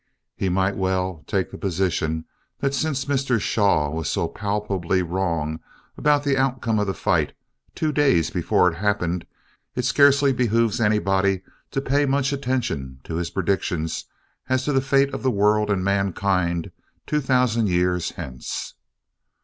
He might well take the position that since Mr. Shaw was so palpably wrong about the outcome of the fight two days before it happened, it scarcely behooves anybody to pay much attention to his predictions as to the fate of the world and mankind two thousand years hence.